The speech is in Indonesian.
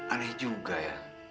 aneh juga ya